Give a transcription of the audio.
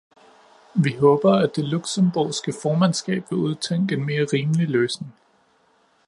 Vi håber, at det luxembourgske formandskab vil udtænke en mere rimelig løsning.